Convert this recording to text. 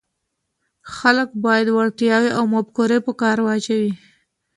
خلک باید وړتیاوې او مفکورې په کار واچوي.